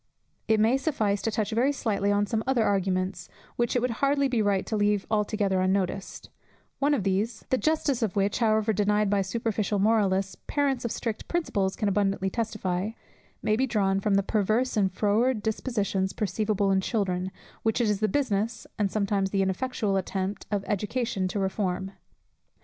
It may suffice to touch very slightly on some other arguments, which it would hardly be right to leave altogether unnoticed: one of these (the justice of which, however denied by superficial moralists, parents of strict principles can abundantly testify) may be drawn from the perverse and froward dispositions perceivable in children, which it is the business and sometimes the ineffectual attempt of education to reform.